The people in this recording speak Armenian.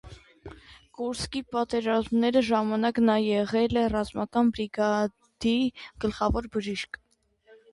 Կուրսկի պատերազմների ժամանակ նա եղել է ռազմական բրիգադի գլխավոր բժիշկ։